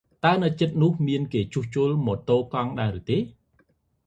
តើនៅជិតនេះ មានគេជួសជុលម៉ូតូកង់ដែរទេ?